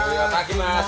selamat pagi mas